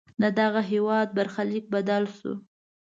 ددغه هېواد برخلیک بدل شو.